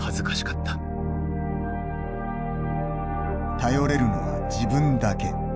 頼れるのは自分だけ。